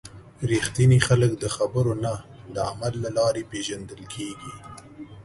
رښتیني خلک د خبرو نه، د عمل له لارې پیژندل کېږي.